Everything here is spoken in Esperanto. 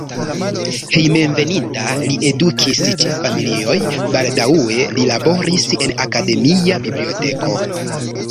Hejmenveninta li edukis ĉe familioj, baldaŭe li laboris en akademia biblioteko.